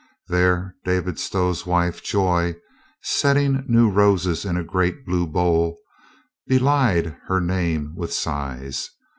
There David Stow's wife, Joy, setting new roses in a great blue bowl, belied her name with sighs.